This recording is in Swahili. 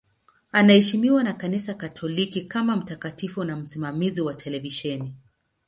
Anaheshimiwa na Kanisa Katoliki kama mtakatifu na msimamizi wa televisheni.